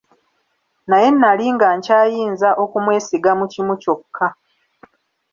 Naye nali nga nkyayinza okumwesigamu kimu kyokka.